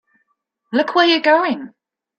Look where you're going!